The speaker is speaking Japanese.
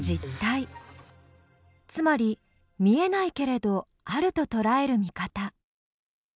つまり見えないけれどあるととらえる見方。